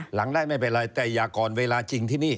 หลังได้ไม่เป็นไรแต่อย่าก่อนเวลาจริงที่นี่